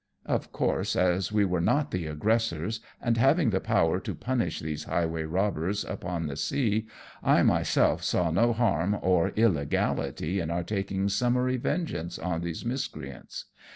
^' Of course, as we were not the aggressors, and having the power to punish these highway robbers upon the sea, I myself saw no harm or illegality in our taking summary vengeance on these miscreants.